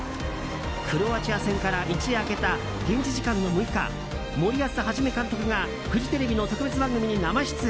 クロアチア戦から一夜明けた現地時間の６日森保一監督がフジテレビの特別番組に生出演。